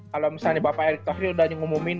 kalau misalnya bapak erick tauhri udah ngumumin